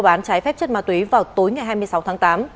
mua bán trái phách chất ma tuế vào tối ngày hai mươi sáu tháng tám